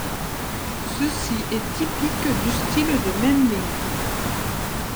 Ceci est typique du style de Memling.